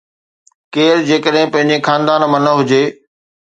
ڪير جيڪڏهن پنهنجي خاندان مان نه هجي.